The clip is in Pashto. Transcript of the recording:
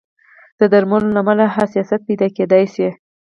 د درملو له امله حساسیت پیدا کېدای شي.